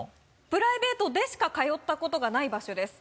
プライベートでしか通ったことがない場所です。